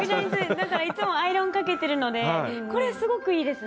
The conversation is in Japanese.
だからいつもアイロンかけてるのでこれすごくいいですね。